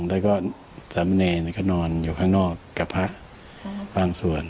แต่ก็สำเนรก็นอนอยู่ข้างนอกกับพระพุทธศาสตร์บางส่วน